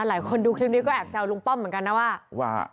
หลายคนดูคลิปนี้ก็แอบแซวลุงป้อมเหมือนกันนะว่าว่า